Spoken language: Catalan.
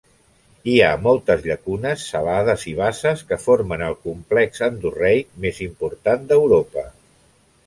Hi ha moltes llacunes, salades i basses, que formen el complex endorreic més important d'Europa.